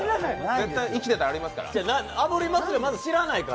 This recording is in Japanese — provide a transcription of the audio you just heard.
絶対生きてたらありますから。